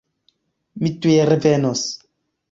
Mi tuj revenos.